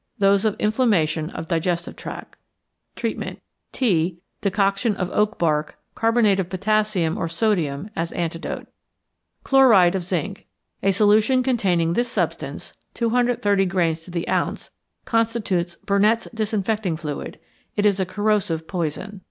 _ Those of inflammation of digestive tract. Treatment. Tea, decoction of oak bark, carbonate of potassium or sodium as antidote. =Chloride of Zinc.= A solution containing this substance (230 grains to the ounce) constitutes 'Burnett's disinfecting fluid.' It is a corrosive poison.